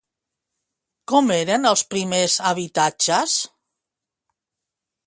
Com eren els primers habitatges?